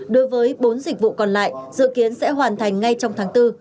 đối với bốn dịch vụ còn lại dự kiến sẽ hoàn thành ngay trong tháng bốn